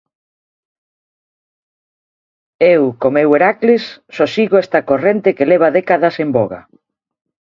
Eu, co meu Heracles, só sigo esta corrente que leva décadas en voga.